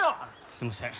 すいません。